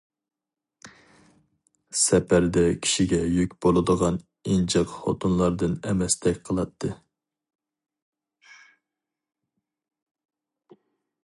سەپەردە كىشىگە يۈك بولىدىغان ئىنجىق خوتۇنلاردىن ئەمەستەك قىلاتتى.